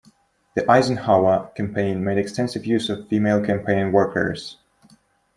The Eisenhower campaign made extensive use of female campaign workers.